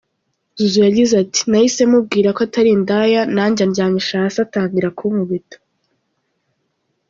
Zuzu yagize ati : “Nahise mubwira ko atari indaya nanjye andyamisha hasi atangira kunkubita.